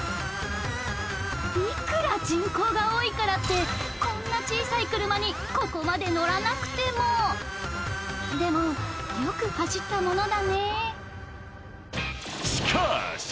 いくら人口が多いからってこんな小さい車にここまで乗らなくてもでもよく走ったものだねしかーし！